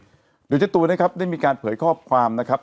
โดยเจ้าตัวนะครับได้มีการเผยข้อความนะครับ